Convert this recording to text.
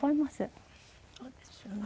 そうですよね。